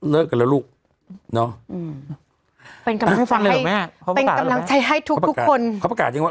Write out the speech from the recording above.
เลิกกันแล้วลูกเนาะอืมเป็นกำลังใช้ให้ทุกทุกคนเขาประกาศจริงหรอ